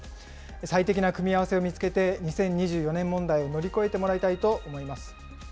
最適な組み合わせを見つけて、２０２４年問題を乗り越えてもらいたいと思います。